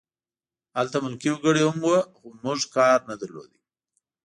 هلته ملکي وګړي هم وو خو موږ کار نه درلود